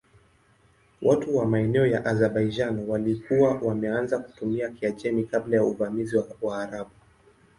Watu wa maeneo ya Azerbaijan walikuwa wameanza kutumia Kiajemi kabla ya uvamizi wa Waarabu.